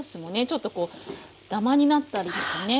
ちょっとこうダマになったりとかね